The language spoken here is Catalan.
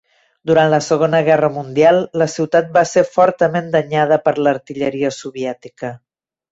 Durant la Segona Guerra Mundial la ciutat va ser fortament danyada per l'artilleria soviètica.